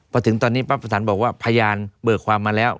พอถึงตอนนี้ปั๊บประสานบอกว่าพยานเบิกความมาแล้ว